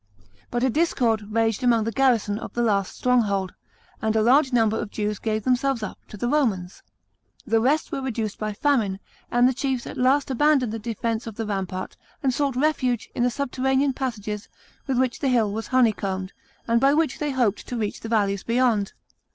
But discord raged among the garrison of the; last stronghold, and a large number of Jews gave themselves up to the Romans. The rest were reduced by famine, and the chiefs at last abandoned the defence of the rampart, and sought refuge in the subterranean passages with which the hill was honeycombed 372 REBELLIONS IN GEEMANY AND JUDEA. CHAP. xx. and by which they hoped to reach the valleys beyond.